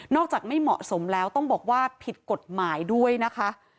จากไม่เหมาะสมแล้วต้องบอกว่าผิดกฎหมายด้วยนะคะ